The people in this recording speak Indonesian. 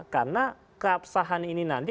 karena keabsahan ini nanti